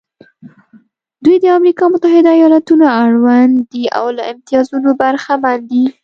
دوی د امریکا متحده ایالتونو اړوند دي او له امتیازونو برخمن دي.